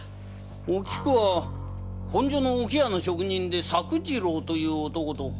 おきくは本所の桶屋の職人で作次郎という男と恋仲でした。